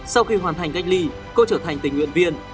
sau khi hoàn thành cách ly cô trở thành tình nguyện viên